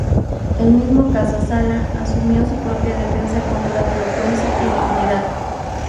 El mismo Casas Sala asumió su propia defensa con gran elocuencia y dignidad.